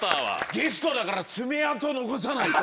ゲストだから爪痕残さないと。